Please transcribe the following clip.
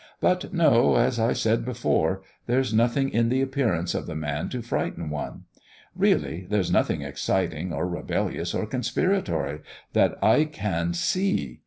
But no, as I said before, there's nothing in the appearance of the man to frighten one. Really, there's nothing exciting, or rebellious, or conspiratory, that I can see!